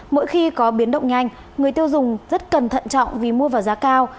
mỗi khi có biến động nhanh người tiêu dùng rất cẩn thận trọng vì mua vào giá cao